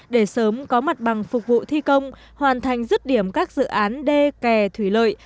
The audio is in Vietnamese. để sớm có mặt bằng phục vụ thi công hoàn thành dứt điểm các dự án đê kè thủy lợi